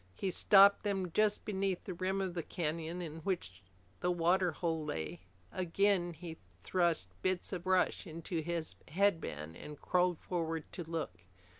He stopped them just beneath the rim of the canyon in which the water hole lay. Again he thrust bits of brush into his headband and crawled forward to look.